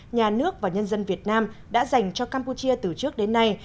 nhà nước và nhân dân việt nam đã dành cho campuchia từ trước đến nay